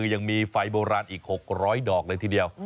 ยังมีไฟโบราณอีก๖๐๐ดอกเลยทีเดียว